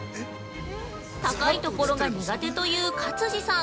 高いところが苦手という勝地さん